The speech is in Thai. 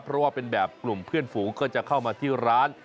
เพราะว่าเป็นแบบกลุ่มเพื่อนฝูงก็จะเข้ามาที่ร้าน